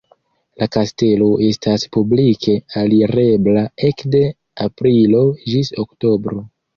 La kastelo estas publike alirebla ekde aprilo ĝis oktobro.